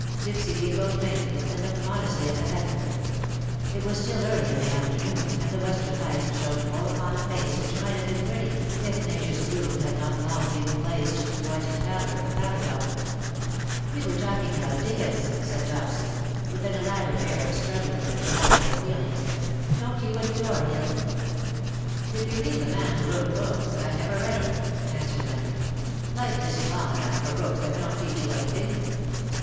Dopsy giggled faintly, and looked modestly at the heather. It was still early in the afternoon, and the western light shone full upon a face which might have been pretty if Nature's bloom had not 24:6 " WHO KNOWS NOT CIRCE ?'* long given place to the poetic pallor of the powder puff. ^' We were talking about Dickens/^ said Dopsy_^ with an elaborate air of struggling with the tumult of her feelings. " Don^t you adore him ?"^' If you mean the man who wrote books^ 1 never read ^em/^ answered Leonard; 'Hife isn^t long enough for books that don''t teach you anything.